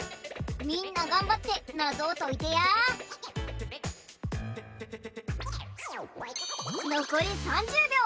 みんながんばってなぞをといてやのこり３０びょう。